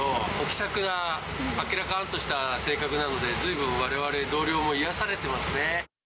気さくな、あっけらかんとした性格なので、ずいぶん、われわれ同僚も癒やされてますね。